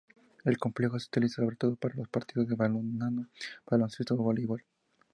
El complejo se utiliza sobre todo para los partidos de balonmano, baloncesto o voleibol.